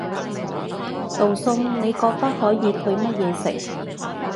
道餸你覺得可以配乜嘢食？